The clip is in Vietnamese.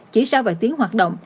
chỉ sau vài tiếng hoạt động